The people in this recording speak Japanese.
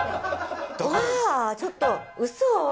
わぁちょっとウソ。